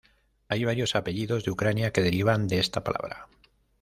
Hay varios apellidos de Ucrania que derivan de esta palabra.